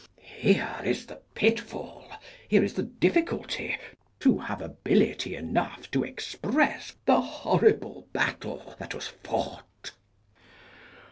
Here is the pitfall, here is the difficulty, to have ability enough to express the horrible battle that was fought.